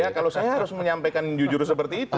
ya kalau saya terus menyampaikan jujur seperti itu